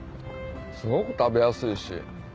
すごく食べやすいし。